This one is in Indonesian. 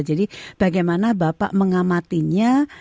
jadi bagaimana bapak mengamatinya